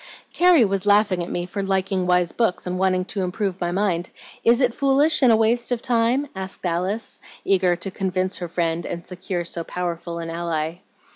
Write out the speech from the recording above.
"Carrie was laughing at me for liking wise books and wanting to improve my mind. Is it foolish and a waste of time?" asked Alice, eager to convince her friend and secure so powerful an ally.